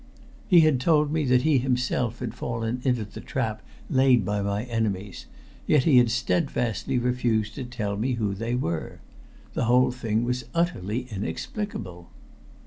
He had told me that he himself had fallen into the trap laid by my enemies, and yet he had steadfastly refused to tell me who they were! The whole thing was utterly inexplicable.